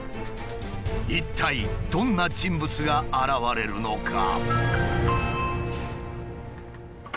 一体どんな人物が現れるのか？